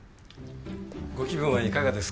ご気分はいかがですか？